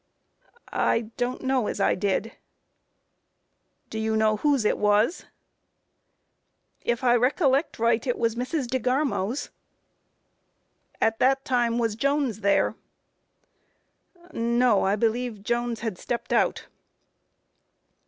A. I don't know as I did. Q. Do you know whose it was? A. If I recollect right, it was Mrs. DeGarmo's. Q. At that time was Jones there? A. No, I believe Jones had stepped out.